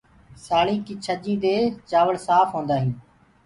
سآݪينٚ ڪي ڇڃي دي چآوݪ سآڦ هوندآ هينٚ۔